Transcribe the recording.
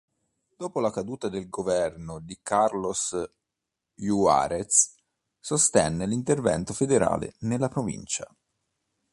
Dopo la caduta del governo di Carlos Juárez sostenne l'intervento federale nella provincia.